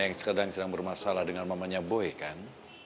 yang sekarang sedang bermasalah dengan mamanya boy kan